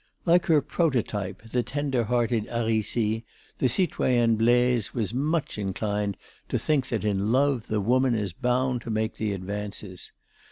Like her prototype the tender hearted "Aricie," the citoyenne Blaise was much inclined to think that in love the woman is bound to make the advances.